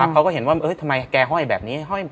เขาก็เห็นว่าทำไมแกห้อยแบบนี้